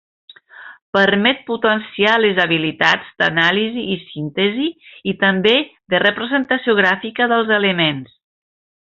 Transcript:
Permet potenciar les habilitats d'anàlisi i síntesi i també de representació gràfica dels elements.